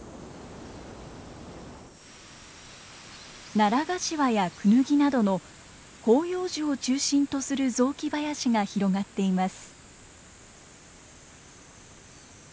ナラガシワやクヌギなどの広葉樹を中心とする雑木林が広がっています。